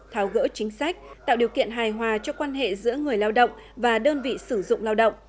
tháo gỡ chính sách tạo điều kiện hài hòa cho quan hệ giữa người lao động và đơn vị sử dụng lao động